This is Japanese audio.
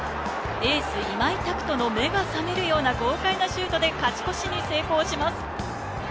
エース・今井拓人の目が覚めるような豪華なシュートで勝ち越しに成功します。